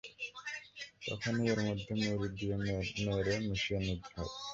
তখনই এর মধ্যে মুড়ি দিয়ে নেড়ে মিশিয়ে নিতে হবে।